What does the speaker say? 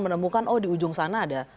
menemukan oh di ujung sana ada